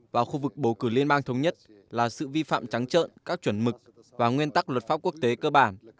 và khu vực bầu cử liên bang thống nhất là sự vi phạm trắng trợn các chuẩn mực và nguyên tắc luật pháp quốc tế cơ bản